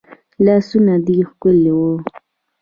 لاسونه دي ښکلي وه